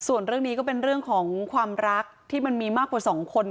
ส่วนเรื่องนี้ก็เป็นเรื่องของความรักที่มันมีมากกว่าสองคน